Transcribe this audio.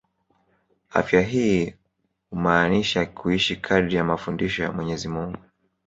Afya hii humaanusha kuishi kadiri ya mafundisho ya Mwenyezi Mungu